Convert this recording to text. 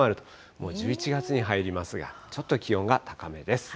もう１１月に入りますが、ちょっと気温が高めです。